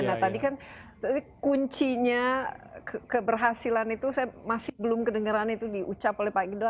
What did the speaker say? nah tadi kan kuncinya keberhasilan itu saya masih belum kedengeran itu diucap oleh pak idola